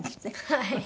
はい。